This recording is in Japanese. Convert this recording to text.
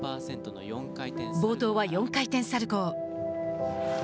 冒頭は４回転サルコー。